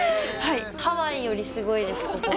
ハワイよりすごいです、ここは。